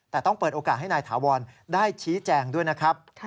แต่ต้องเปิดโอกาสให้นายถาวรได้ชี้แจงด้วยนะครับ